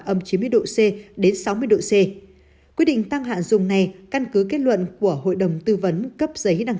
âm chín mươi độ c đến sáu mươi độ c quyết định tăng hạn dùng này căn cứ kết luận của hội đồng tư vấn cấp giấy đăng